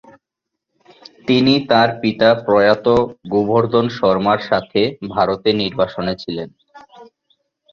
তিনি তার পিতা প্রয়াত গোবর্ধন শর্মার সাথে ভারতে নির্বাসনে ছিলেন।